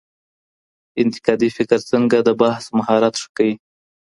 انتقادي فکر څنګه د بحث مهارت ښه کوي؟